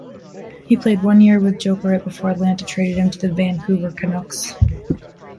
He played one year with Jokerit before Atlanta traded him to the Vancouver Canucks.